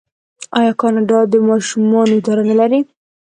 آیا کاناډا د ماشومانو اداره نلري؟